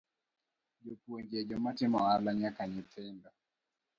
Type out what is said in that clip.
Jopuonje, joma timo ohala nyaka nyithindo